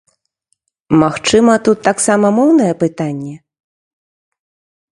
Магчыма, тут таксама моўнае пытанне?